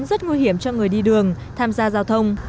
rất nguy hiểm cho người đi đường tham gia giao thông